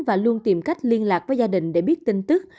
và luôn tìm cách liên lạc với gia đình để biết tin tức